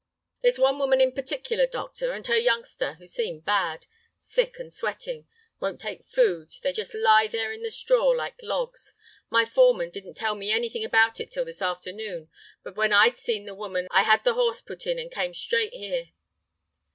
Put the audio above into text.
"There's one woman in particular, doctor, and her youngster, who seem bad. Sick and sweating; won't take food; they just lie there in the straw like logs. My foreman didn't tell me anything about it till this afternoon, but when I'd seen the woman I had the horse put in, and came straight here."